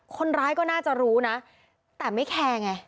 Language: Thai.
คนร้ายก็น่าจะรู้นะแต่ไม่แคร์ไง